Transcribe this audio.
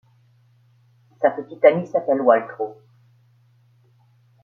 Sa petite amie s'appelle Waltraud.